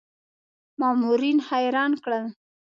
مامورین حیران کړل.